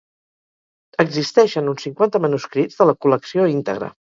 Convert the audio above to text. Existeixen uns cinquanta manuscrits de la col·lecció íntegra.